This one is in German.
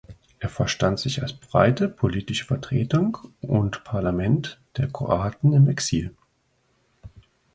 Er verstand sich als breite politische Vertretung und Parlament der Kroaten im Exil.